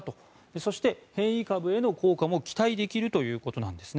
そして、変異株への効果も期待できるということなんです。